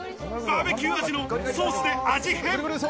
バーベキュー味のソースで味変。